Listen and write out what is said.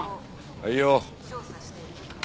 はいよ。